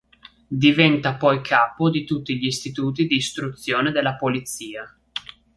Diventa poi capo di tutti gli istituti di istruzione della Polizia.